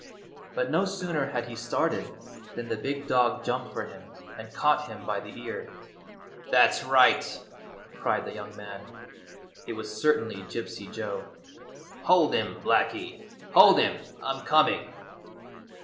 But no sooner had he started than the big dog jumped for him and caught him by the ear. " That 's right," cried the young man — it was certainly Gypsy Joe; "hold him, Blacky! Hold him! I'm coming!"